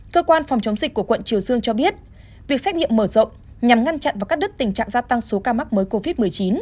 cơ quan phòng chống dịch của quận triều dương cho biết việc xét nghiệm mở rộng nhằm ngăn chặn và cắt đứt tình trạng gia tăng số ca mắc mới covid một mươi chín